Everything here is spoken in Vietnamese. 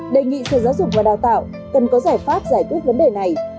đề nghị sở giáo dục và đào tạo cần có giải pháp giải quyết vấn đề này